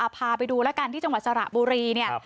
พาไปดูแล้วกันที่จังหวัดสระบุรีเนี่ย